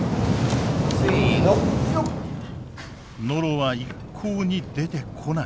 ノロは一向に出てこない。